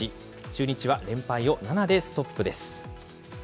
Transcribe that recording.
中日は連敗を７でストップです。